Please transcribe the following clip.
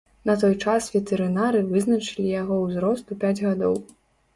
На той час ветэрынары вызначылі яго ўзрост у пяць гадоў.